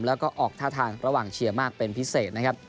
แล้วก็ออกท่าทางระหว่างเชียร์มากเป็นพิเศษนะครับ